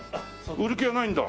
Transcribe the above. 売る気はないんだ？